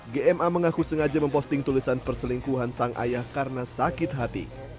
gma mengaku sengaja memposting tulisan perselingkuhan sang ayah karena sakit hati